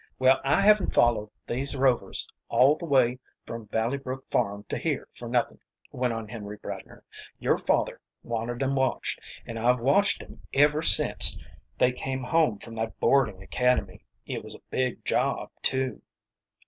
"Well, I haven't followed these Rovers all the way from Valley Brook farm to here for nothing," went on Henry Bradner. "Your father wanted 'em watched, and I've watched 'em ever since they came home from that boarding academy. It was a big job, too."